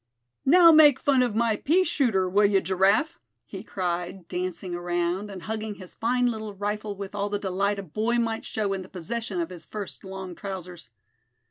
"Now make fun of my pea shooter, will you, Giraffe?" he cried, dancing around, and hugging his fine little rifle with all the delight a boy might show in the possession of his first long trousers.